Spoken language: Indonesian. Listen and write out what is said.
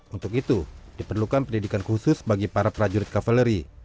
untuk itu diperlukan pendidikan khusus bagi para prajurit kavaleri